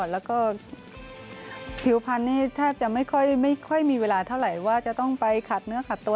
แล้วก็ผิวพันธุ์แทบจะไม่ค่อยมีเวลาเท่าไหร่ว่าจะต้องไปขาดเนื้อขาดตัว